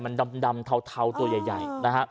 มันดำเทาตัวใหญ่